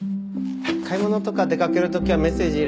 買い物とか出かける時はメッセージ入れて。